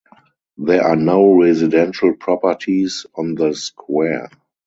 There are no residential properties on the Square.